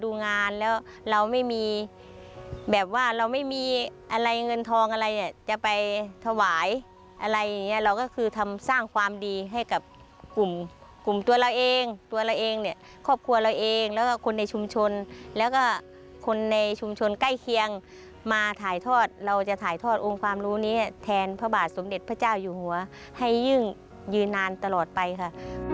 ดูงานแล้วเราไม่มีแบบว่าเราไม่มีอะไรเงินทองอะไรเนี่ยจะไปถวายอะไรอย่างเงี้ยเราก็คือทำสร้างความดีให้กับกลุ่มกลุ่มตัวเราเองตัวเราเองเนี่ยครอบครัวเราเองแล้วก็คนในชุมชนแล้วก็คนในชุมชนใกล้เคียงมาถ่ายทอดเราจะถ่ายทอดองค์ความรู้นี้แทนพระบาทสมเด็จพระเจ้าอยู่หัวให้ยิ่งยืนนานตลอดไปค่ะ